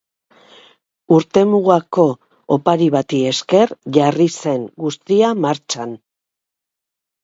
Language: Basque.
Urtemugako opari bati esker jarri zen guztia martxan.